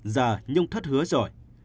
giờ nhung thất hứa rồi